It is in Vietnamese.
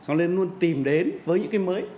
nên luôn tìm đến với những cái mới